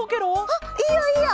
あっいいよいいよ！